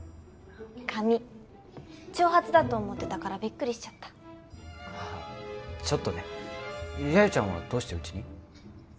髪長髪だと思ってたからびっくりしちゃったああちょっとねやよちゃんはどうしてうちに？